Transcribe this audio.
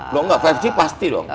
tidak lima g pasti dong